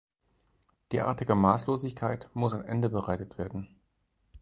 Derartiger Maßlosigkeit muss ein Ende bereitet werden.